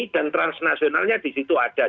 dan transnasionalnya disitu ada